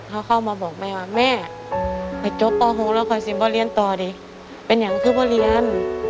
เขาเข้ามาบอกแม่ว่าแม่ไปจบป๖แล้วค่อยสิมาเรียนต่อดิเป็นอย่างคือพอเรียน